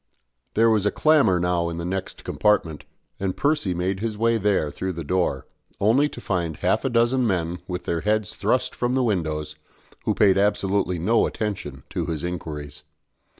There was a clamour now in the next compartment, and Percy made his way there through the door, only to find half a dozen men with their heads thrust from the windows, who paid absolutely no attention to his inquiries.